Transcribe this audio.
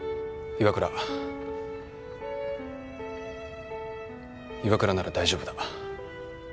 岩倉なら大丈夫だ。